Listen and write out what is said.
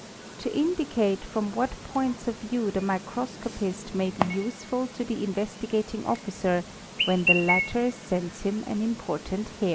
to indi cate from what points of view the microscopist may be useful to the Investigating Officer when the latter sends him an important hair.